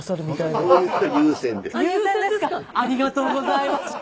ありがとうございます。